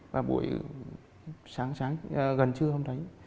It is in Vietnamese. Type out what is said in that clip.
và buổi sáng sáng gần trưa hôm đấy